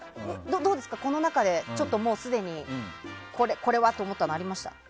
どうですか、この中ですでにこれはと思ったのはありましたか？